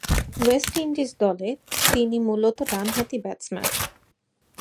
West Indies দলে তিনি মূলতঃ ডানহাতি ব্যাটসম্যান।